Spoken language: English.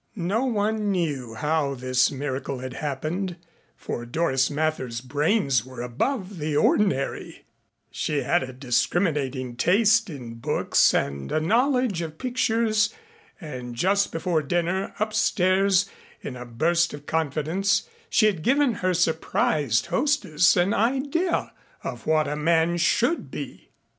No one knew how this miracle had happened, for Doris Mather's brains were above the ordinary; she had a discriminating taste in books and a knowledge of pictures, and just before dinner, upstairs in a burst of confidence she had given her surprised hostess an idea of what a man should be.